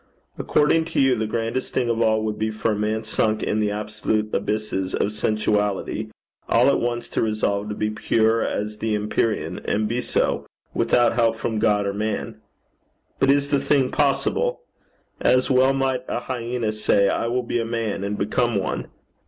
According to you, the grandest thing of all would be for a man sunk in the absolute abysses of sensuality all at once to resolve to be pure as the empyrean, and be so, without help from God or man. But is the thing possible? As well might a hyena say: I will be a man, and become one.